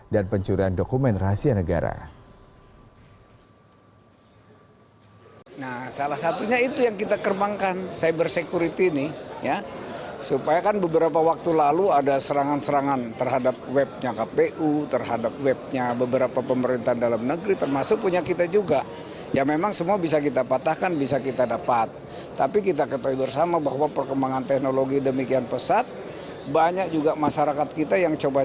dan pencurian dokumen rahasia negara